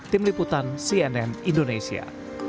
tim liputan cnn indonesia